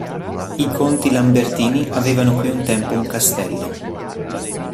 I conti Lambertini avevano qui un tempo un castello.